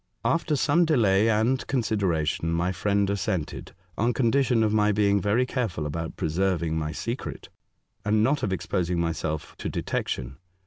After some delay and consideration, my friend assented, on con dition of my being very careful about pre serving my secret, and not of exposing myself to detection.